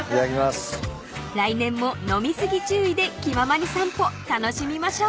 ［来年も飲み過ぎ注意で『気ままにさんぽ』楽しみましょう］